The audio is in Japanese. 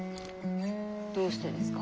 どうしてですか？